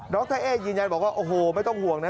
ไทยเอ๊ยืนยันบอกว่าโอ้โหไม่ต้องห่วงนะ